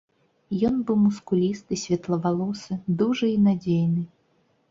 Ён быў мускулісты, светлавалосы, дужы і надзейны.